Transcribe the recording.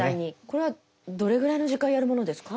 これはどれぐらいの時間やるものですか？